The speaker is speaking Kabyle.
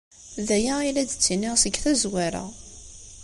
D aya ay la d-ttiniɣ seg tazwara.